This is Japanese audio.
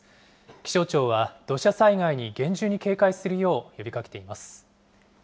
気象庁は土砂災害に厳重に警戒するよう呼びかけています。